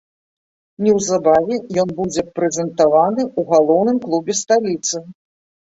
Неўзабаве ён будзе прэзентаваны ў галоўным клубе сталіцы.